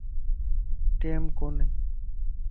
ٽيم ڪوني